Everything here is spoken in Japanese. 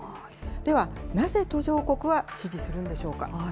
ではなぜ途上国は支持するんでしょうか。